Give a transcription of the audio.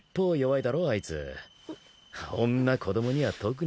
女子供には特に。